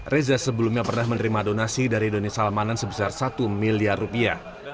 reza sebelumnya pernah menerima donasi dari doni salmanan sebesar satu miliar rupiah